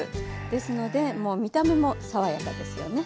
ですので見た目も爽やかですよね。